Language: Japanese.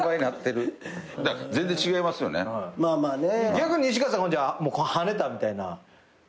逆に西川さんははねたみたいな？